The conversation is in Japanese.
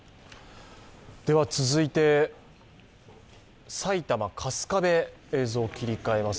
続いて埼玉・春日部、映像を切り替えます。